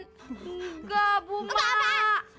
enggak bu mak